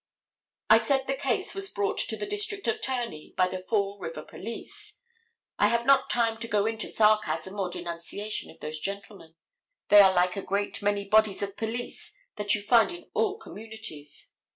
I said the case was brought to the district attorney by the Fall River police. I have not time to go into sarcasm or denunciation of those gentlemen. They are like a great many bodies of police that you find in all communities.